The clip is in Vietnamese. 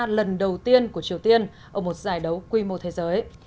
đây là lần đầu tiên của triều tiên ở một giải đấu quy mô thế giới